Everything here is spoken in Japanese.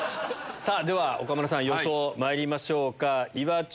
では岡村さん予想まいりましょうか。